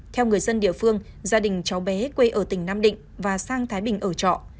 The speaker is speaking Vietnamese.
theo người dân địa phương gia đình cháu bé quê ở tỉnh nam định và sang thái bình ở trọ